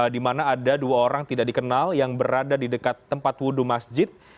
di mana ada dua orang tidak dikenal yang berada di dekat tempat wudhu masjid